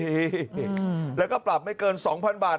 อืมแล้วก็ปรับไม่เกินสองพันบาท